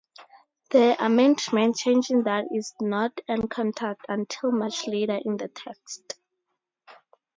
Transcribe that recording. The amendment changing that is not encountered until much later in the text.